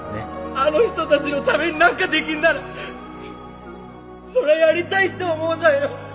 あの人たちのために何かできんならそれはやりたいって思うじゃんよ。